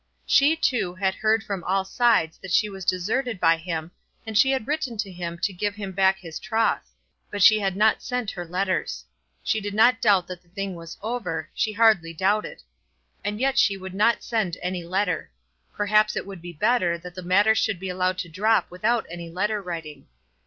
She, too, had heard from all sides that she was deserted by him, and she had written to him to give him back his troth; but she had not sent her letters. She did not doubt that the thing was over, she hardly doubted. And yet she would not send any letter. Perhaps it would be better that the matter should be allowed to drop without any letter writing.